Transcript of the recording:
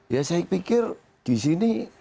ya saya pikir disini